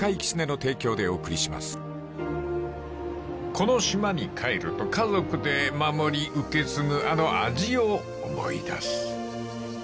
［この島に帰ると家族で守り受け継ぐあの味を思い出す］